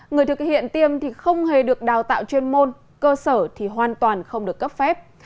người thực hiện tiêm thì không hề được đào tạo chuyên môn cơ sở thì hoàn toàn không được cấp phép